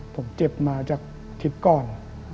ผมเจ็บมาจากทริปก่อน